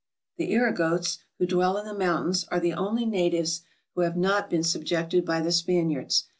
The Irogotes, who dwell in the mountains, are the only natives who have not been subjected by the Spaniards.